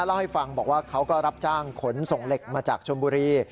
เล่าให้ฟังบอกว่าเขาก็รับจ้างขนส่งเหล็กมาจากชนบุรี